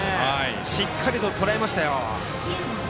しっかりと、とらえましたよ。